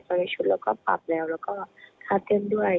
ในชุดเราก็ปรับแล้วแล้วก็ท่าเต้นด้วย